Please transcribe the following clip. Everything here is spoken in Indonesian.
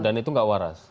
dan itu gak waras